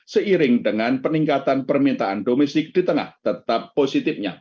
seiring dengan peningkatan permintaan domestik di tengah tetap positifnya